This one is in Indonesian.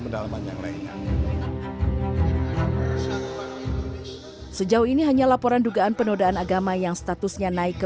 pendalaman yang lainnya sejauh ini hanya laporan dugaan penodaan agama yang statusnya naik ke